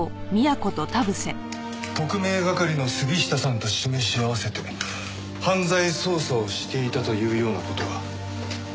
特命係の杉下さんと示し合わせて犯罪捜査をしていたというような事は？